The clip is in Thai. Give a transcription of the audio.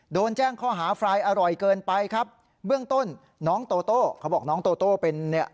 โดนแจ้งข้อหาไฟล์อร่อยเกินไปครับเบื้องต้นน้องโตโต้เขาบอกน้องโตโต้เป็นเนี่ย